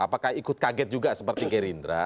apakah ikut kaget juga seperti gerindra